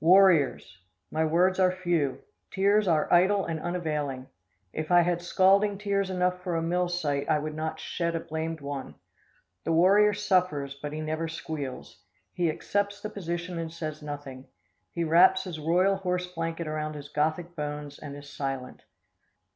Warriors! My words are few. Tears are idle and unavailing. If I had scalding tears enough for a mill site, I would not shed a blamed one. The warrior suffers, but he never squeals. He accepts the position and says nothing. He wraps his royal horse blanket around his Gothic bones and is silent.